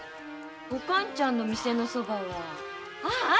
おかんちゃんの店のそばはああった。